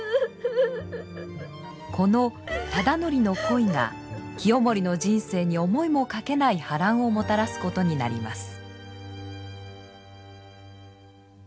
この忠度の恋が清盛の人生に思いもかけない波乱をもたらすことになります。